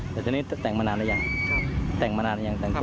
แต่ทีนี้แต่งมานานหรือยังแต่งมานานหรือยังแต่งตัว